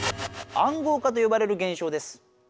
「暗号化」とよばれる現象です。